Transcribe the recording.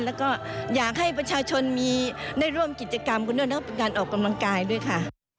แล้วก็อยากให้ประชาชนมีได้ร่วมกิจกรรมกันด้วยนะการออกกำลังกายด้วยค่ะ